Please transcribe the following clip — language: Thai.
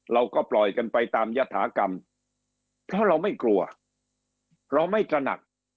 เราก็ปล่อยกันไปตามยฐากรรมเพราะเราไม่กลัวเราไม่ตระหนัก